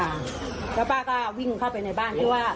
อืมฮะแล้วป้าก็วิ่งเข้าไปในบ้านที่คุณว่าข้างสอย